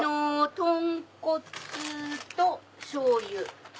とんこつとしょうゆ。